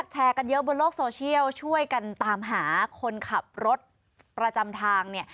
แชร์กันเยอะบนโลกโซเชียลช่วยกันตามหาคนขับรถประจำทางเนี่ย